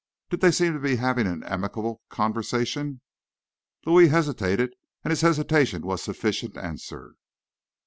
"Did they seem to be having an amicable conversation?" Louis hesitated, and his hesitation was sufficient answer.